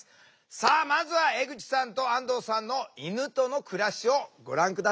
さあまずは江口さんと安藤さんの犬との暮らしをご覧下さい。